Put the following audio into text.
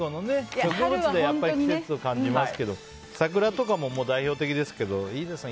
植物で春を感じますけど桜とかも代表的ですけどいいですね。